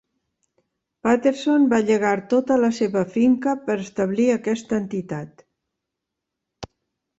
Patterson va llegar tota la seva finca per establir aquesta entitat.